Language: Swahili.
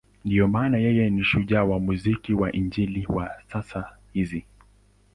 Ndiyo maana yeye ni shujaa wa muziki wa Injili wa sasa hizi.